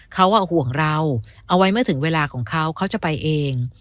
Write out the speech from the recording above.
เขาห่วงเราเอาไว้เมื่อถึงเวลาของเขาเขาจะไปเอง